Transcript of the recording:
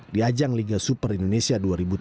di ajang liga super indonesia dua ribu tujuh belas